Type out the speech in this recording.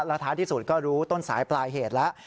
แล้วท้ายที่สุดก็รู้ต้นสายปลายเหตุแล้ว